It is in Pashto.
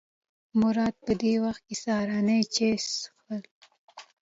مراد په دې وخت کې سهارنۍ چای څښله.